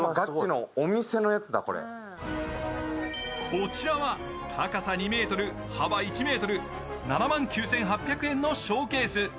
こちらは高さ２ｍ、幅１ｍ、７万９８００円のショーケース。